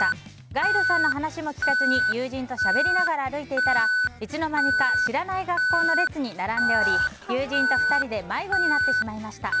ガイドさんの話も聞かずに友人としゃべりながら歩いていたらいつの間にか知らない学校の列に並んでおり友人と２人で迷子になってしまいました。